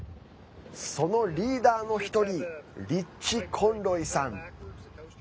そのリーダーの１人リッチ・コンロイさん。